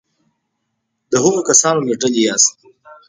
د هغو کسانو له ډلې یاست.